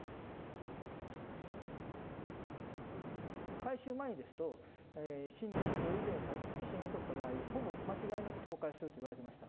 改修前ですと、深度５強以上の地震が起こった場合、ほぼ間違いなく倒壊するといわれてました。